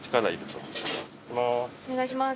お願いします。